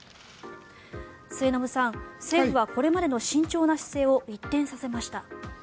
末延さん、政府はこれまでの慎重な姿勢を一転させました。